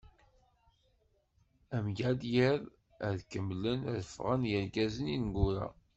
Am yal iḍ, ad kemmlen ad fɣen yergazen ineggura.